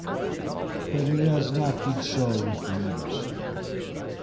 But it has not been so with the others.